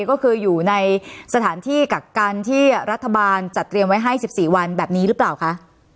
ก็คืออยู่ในสถานที่กักกันที่รัฐบาลจัดเตรียมไว้ให้๑๔วันแบบนี้หรือเปล่าคะ